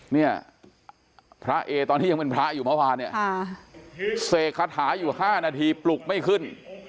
เนี่ยพระเอตอนที่ยังเป็นพระอยู่เมื่อวานเนี่ยเสกคาถาอยู่๕นาทีปลุกไม่ขึ้น